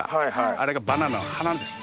あれがバナナの花です。